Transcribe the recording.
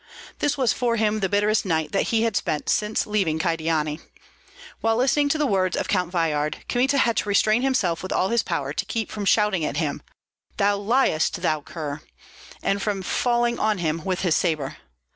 This was for him the bitterest night that he had spent since leaving Kyedani. While listening to the words of Count Veyhard, Kmita had to restrain himself with all his power to keep from shouting at him, "Thou liest, thou cur!" and from falling on him with his sabre.